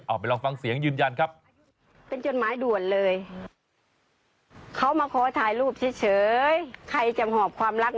ไปลองฟังเสียงยืนยันครับ